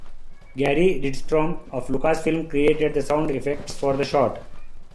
Gary Rydstrom of Lucasfilm created the sound effects for the short.